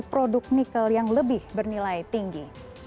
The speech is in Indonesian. produk nikel yang lebih bernilai tinggi